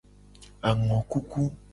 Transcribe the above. Angokuku.